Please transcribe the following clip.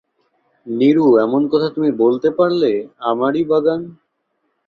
নীরু, এমন কথা তুমি বলতে পারলে, আমারই বাগান?